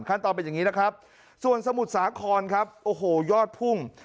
ขั้นตอนเป็นอย่างนี้ส่วนสมุดสาขรยอดพุ่ง